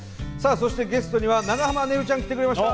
そしてゲストには長濱ねるちゃん来てくれました！